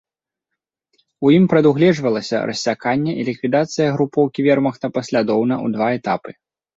У ім прадугледжвалася рассяканне і ліквідацыя групоўкі вермахта паслядоўна ў два этапы.